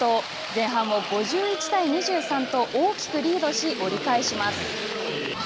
前半を５１対２３と大きくリードし折り返します。